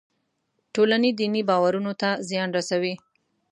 ټولنې دیني باورونو ته زیان رسوي.